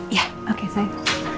ya oke sayang